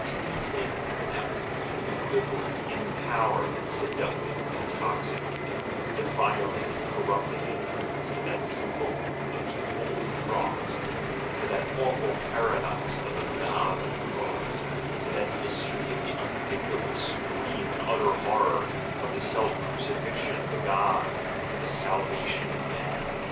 Anything that was even equivalent in the power of its seductive, intoxicating, defiling, and corrupt ing influence to that symbol of the holy cross, to that awful paradox of a "god on the cross," to that mystery of the unthinkable, supreme, and utter horror of the self crucifixion of a god for the salvation of matt?